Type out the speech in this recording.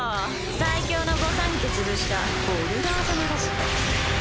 最強の御三家潰したホルダー様だし。